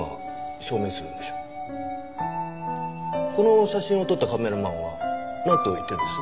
この写真を撮ったカメラマンはなんと言ってるんです？